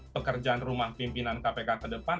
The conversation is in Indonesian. pekerjaan rumah pimpinan kpk ke depan